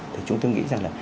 thì chúng tôi nghĩ rằng là